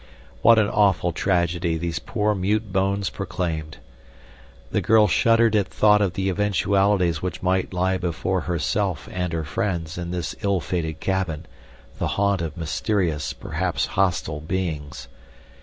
What an awful tragedy these poor mute bones proclaimed! The girl shuddered at thought of the eventualities which might lie before herself and her friends in this ill fated cabin, the haunt of mysterious, perhaps hostile, beings.